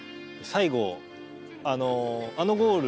最後あのゴール